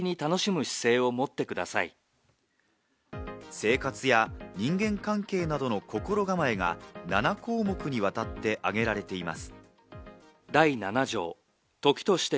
生活や人間関係などの心構えが、７項目にわたってあげられています。